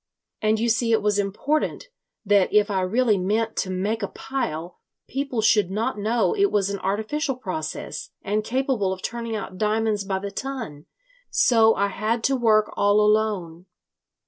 And you see it was important that if I really meant to make a pile, people should not know it was an artificial process and capable of turning out diamonds by the ton. So I had to work all alone.